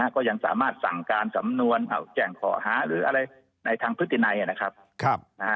ก็ยังสามารถสั่งการสำนวนแจ้งข้อหาหรืออะไรในทางพฤตินัยนะครับ